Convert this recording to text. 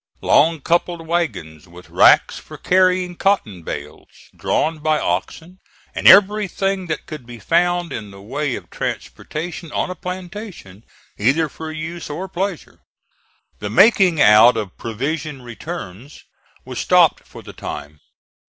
long coupled wagons, with racks for carrying cotton bales, drawn by oxen, and everything that could be found in the way of transportation on a plantation, either for use or pleasure. The making out of provision returns was stopped for the time.